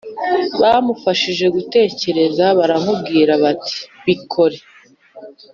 bamufashije gutekereza Baramubwiye bati bikore